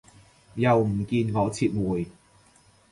又唔見我撤回